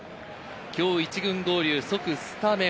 今日１軍合流、即スタメン。